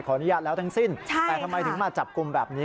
อนุญาตแล้วทั้งสิ้นแต่ทำไมถึงมาจับกลุ่มแบบนี้